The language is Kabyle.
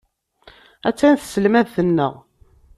Attan tselmadt-nneɣ.